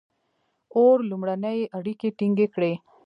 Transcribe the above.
• اور لومړنۍ اړیکې ټینګې کړې.